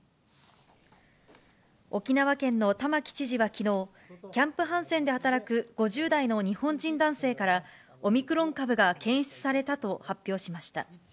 沖縄県の玉城知事はきのう、キャンプ・ハンセンで働く５０代の日本人男性から、オミクロン株が検出されたと発表しました。